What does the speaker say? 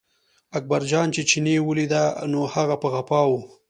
اکبرجان چې چیني ولیده، نو هغه په غپا و.